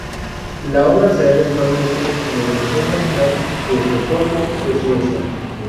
La obra se halla actualmente en el Museo Nacional de Estocolmo de Suecia.